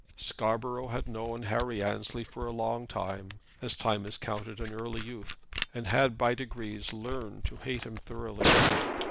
Scarborough had known Harry Annesley for a long time, as time is counted in early youth, and had by degrees learned to hate him thoroughly.